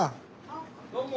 ・どうも。